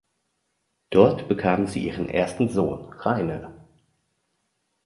Dort bekamen sie ihren ersten Sohn "Rainer".